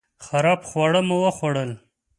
خراب خواړه مو وخوړل